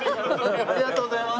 ありがとうございます。